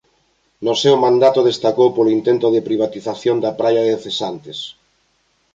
No seu mandato destacou polo intento de privatización da praia de Cesantes.